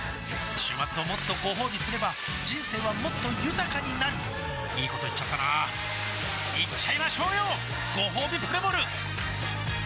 週末をもっとごほうびすれば人生はもっと豊かになるいいこと言っちゃったなーいっちゃいましょうよごほうびプレモル